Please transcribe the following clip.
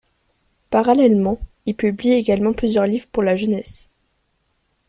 Parallèlement, il publie également plusieurs livres pour la jeunesse.